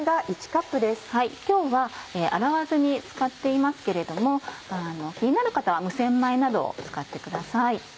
今日は洗わずに使っていますけれども気になる方は無洗米などを使ってください。